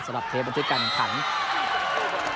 สำหรับเทปวันทิศการแข่งขัน